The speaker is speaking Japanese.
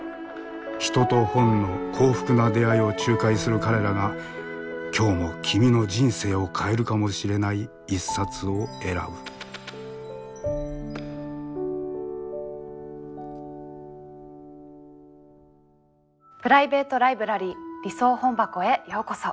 人と本の幸福な出会いを仲介する彼らが今日も君の人生を変えるかもしれない一冊を選ぶプライベート・ライブラリー理想本箱へようこそ。